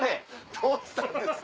どうしたんですか？